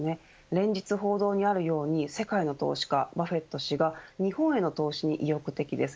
連日報道にあるように世界の投資家バフェット氏が日本への投資に意欲的です。